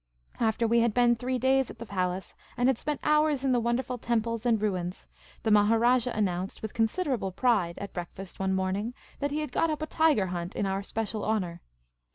After we had been three days at the palace and had spent hours in the wonderful temples and ruins, the Maharajah announced with considerable pride at breakfast one morning that he had got up a tiger hunt in our special honour.